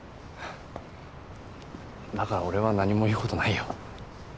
だから俺は何も言う事ないよ。